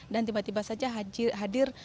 dan tiba tiba saja hadir